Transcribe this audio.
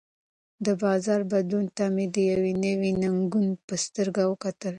د بازار بدلون ته مې د یوې نوې ننګونې په سترګه وکتل.